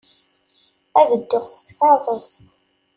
Ad dduɣ s tkeṛṛust.